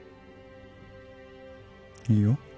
いいよ。